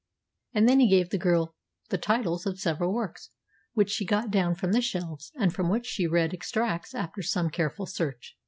And then he gave the girl the titles of several works, which she got down from the shelves, and from which she read extracts after some careful search.